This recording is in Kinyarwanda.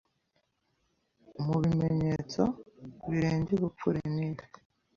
mu bimenyetso birenge ubupfure ni ibi